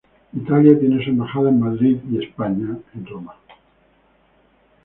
Italia tiene su embajada en Madrid y España, en Roma.